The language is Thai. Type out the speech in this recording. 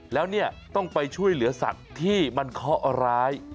แล้วเนี่ยต้องไปช่วยเหลือสัตว์ที่มันเคาะร้าย